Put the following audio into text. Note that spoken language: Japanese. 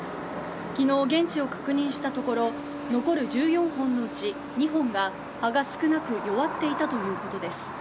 昨日、現地を確認したところ残る１４本のうち２本が葉が少なく弱っていたということです。